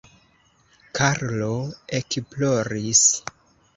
Karlo ekploris.